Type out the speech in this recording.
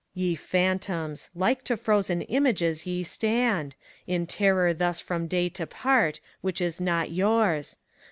Ye Phantoms !— ^like to frozen images ye stand, In terror thus from Day to part, which is not yours.